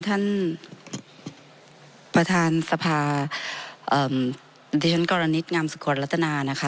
ท่านประธานสภาเอ่อดิฉันกรณิตงามสกลรัตนานะคะ